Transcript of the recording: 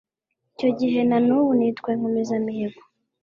icyo gihe na nubu nitwa Inkomezamihigo